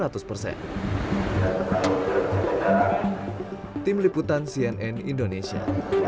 tim liputan cnn indonesia